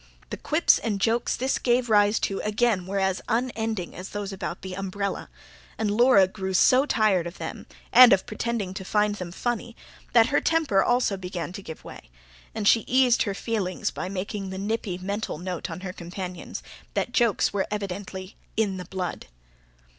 The quips and jokes this gave rise to again were as unending as those about the umbrella; and Laura grew so tired of them, and of pretending to find them funny, that her temper also began to give way; and she eased her feelings by making the nippy mental note on her companions, that jokes were evidently "in the blood".